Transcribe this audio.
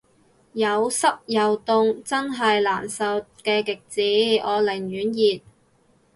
有濕又凍真係難受嘅極致，我寧願熱